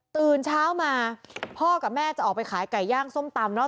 ตื่นเช้ามาพ่อกับแม่จะออกไปขายไก่ย่างส้มตำเนอ